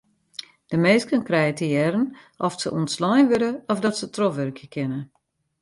De minsken krije te hearren oft se ûntslein wurde of dat se trochwurkje kinne.